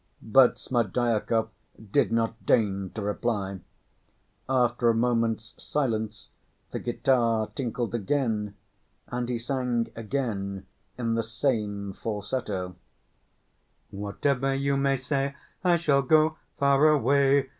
But Smerdyakov did not deign to reply. After a moment's silence the guitar tinkled again, and he sang again in the same falsetto: Whatever you may say, I shall go far away.